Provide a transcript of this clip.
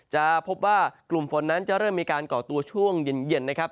จะพบว่ากลุ่มฝนนั้นจะเริ่มมีการก่อตัวช่วงเย็นนะครับ